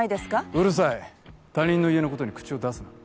うるさい他人の家のことに口を出すな。